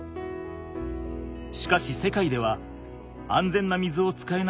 しかし世界では安全な水を使えない人が多くいる。